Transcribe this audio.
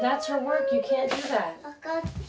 分かった。